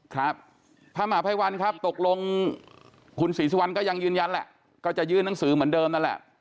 ครับพระมหาภัยวันครับตกลงคุณศรีสุวรรณก็ยังยืนยันแหละก็จะยื่นหนังสือเหมือนเดิมนั่นแหละ